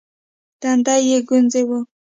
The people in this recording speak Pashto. تندی يې ګونجې و.